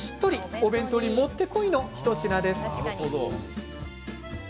お弁当にもってこいの一品です。